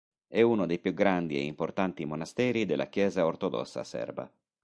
È uno dei più grandi e importanti monasteri della Chiesa ortodossa serba.